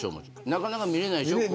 なかなか見られないですよ。